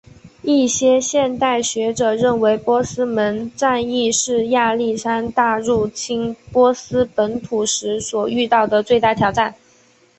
一些现代学者认为波斯门战役是亚历山大入侵波斯本土时所遇到的最大挑战。